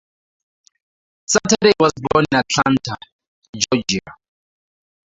Saturday was born in Atlanta, Georgia.